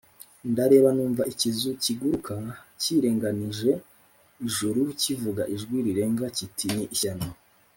Ndareba numva ikizu kiguruka kiringanije ijuru kivuga ijwi rirenga kiti “Ni ishyano,